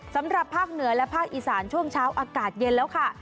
สำหรับภาคเหนือและภาคอีสานช่วงเช้าอากาศเย็นแล้วค่ะ